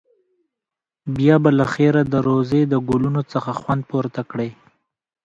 بیا به له خیره د روضې د ګلونو څخه خوند پورته کړې.